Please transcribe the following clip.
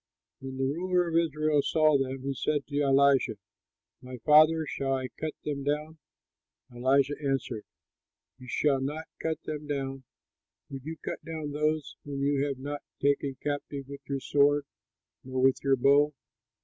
When the ruler of Israel saw them, he said to Elisha, "My father, shall I cut them down?" Elisha answered, "You shall not cut them down; would you cut down those whom you have not taken captive with your sword nor with your bow?